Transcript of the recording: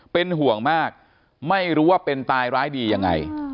เป็นห่วงมากไม่รู้ว่าเป็นตายร้ายดียังไง